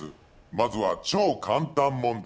まずは超簡単問題。